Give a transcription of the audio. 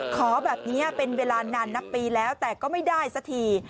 ขอแบบนี้เป็นเวลานานนับปีแล้วแต่ก็ไม่ได้สักที